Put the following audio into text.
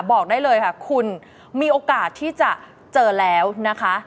บอกได้เลยค่ะคุณมีโอกาสที่จะเจอแล้วนะคะ